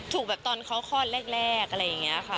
ถูกแบบตอนเขาคลอดแรกอะไรอย่างนี้ค่ะ